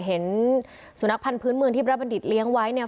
เห็นสุนัขพันธ์พื้นเมืองที่พระบัณฑิตเลี้ยงไว้เนี่ย